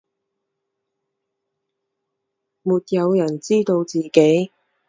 没有人知道自己